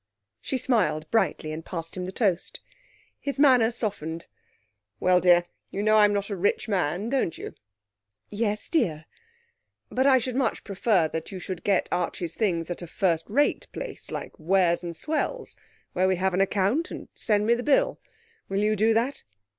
She smiled brightly, and passed him the toast. His manner softened. 'Well, dear, you know I'm not a rich man, don't you?' 'Yes, dear.' 'But I should much prefer that you should get Archie's things at a first rate place like Wears and Swells, where we have an account, and send me the bill. Will you do that?'